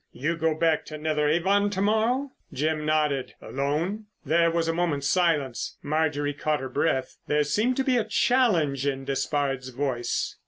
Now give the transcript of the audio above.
You go back to Netheravon to morrow?" Jim nodded. "Alone?" There was a moment's silence. Marjorie caught her breath. There seemed to be a challenge in Despard's voice.